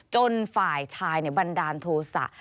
ฝ่ายชายบันดาลโทษะ